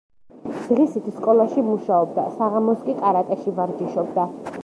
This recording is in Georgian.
დღისით სკოლაში მუშაობდა, საღამოს კი კარატეში ვარჯიშობდა.